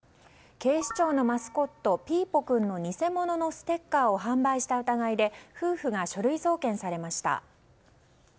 警視庁のマスコットピーポくんの偽物のステッカーを販売した疑いで夫婦が書類送検されました。